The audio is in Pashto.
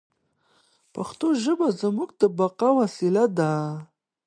پښتو ژبه زموږ د بقا وسیله ده.